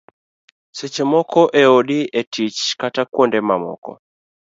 seche moko e odi, e tich kata kuonde mamoko